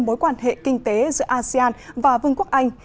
mối quan hệ kinh tế giữa asean và vương quốc anh